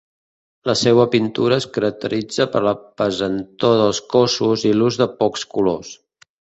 La seua pintura es caracteritza per la pesantor dels cossos i l'ús de pocs colors.